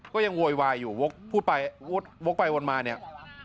ก็ยังโวยวายอยู่พูดไปวนมาเนี่ย